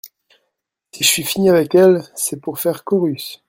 Si je suis fini avec elle… c’est pour faire chorus !…